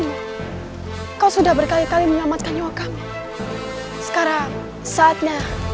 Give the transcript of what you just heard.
ya ya berangkatlah kalian